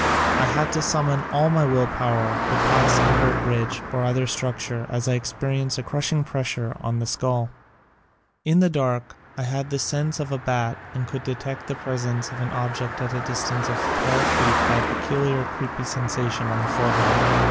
I had to summon all my will power to pass under a bridge or other structure as I ex perienced a crushing pressure on the skull. In the dark I had the sense of a bat and could detect the presence of an object at a distance of twelve feet by a peculiar creepy sensation on the forehead.